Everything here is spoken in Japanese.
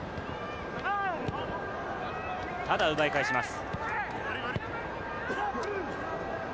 ただ、奪い返します。